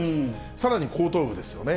さらに後頭部ですよね。